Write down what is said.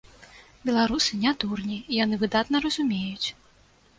Беларусы не дурні, яны выдатна разумеюць.